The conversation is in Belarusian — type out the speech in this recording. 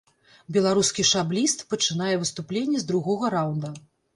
Беларускі шабліст пачынае выступленні з другога раўнда.